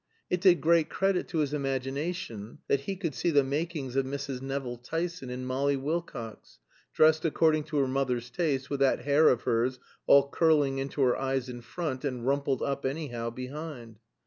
It did great credit to his imagination that he could see the makings of Mrs. Nevill Tyson in Molly Wilcox, dressed according to her mother's taste, with that hair of hers all curling into her eyes in front, and rumpled up anyhow behind.